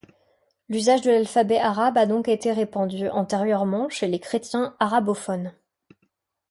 L'usage de l'alphabet arabe a donc été répandu antérieurement chez les Chrétiens arabophones.